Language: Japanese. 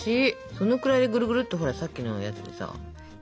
そのくらいぐるぐるっとさっきのやつでさ。